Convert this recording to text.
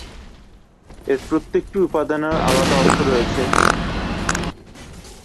এর প্রত্যেকটি উপাদানের আলাদা অর্থ রয়েছে।